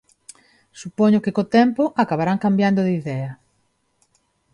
Supoño que co tempo acabarán cambiando de idea.